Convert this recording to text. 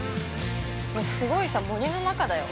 ◆すごいさ、森の中だよ。